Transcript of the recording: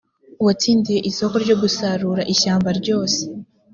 uwatsindiye isoko ryo gusarura ishyamba ryose